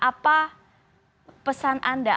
apa pesan anda